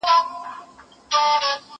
قتلول به یې مظلوم خلک بېځایه